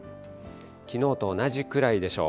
きのうと同じくらいでしょう。